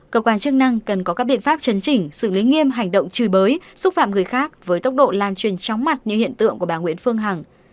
cơ quan chức năng cần có các biện pháp chấn chỉnh xử lý nghiêm hành động chửi bới xúc phạm người khác với tốc độ lan truyền chóng mặt như hiện tượng của bà nguyễn phương hằng